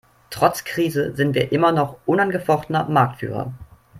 Trotz Krise sind wir immer noch unangefochtener Marktführer.